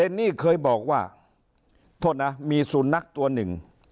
นี่เคยบอกว่าโทษนะมีสุนัขตัวหนึ่ง